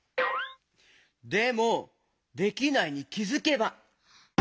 でも「できないに気づけば」？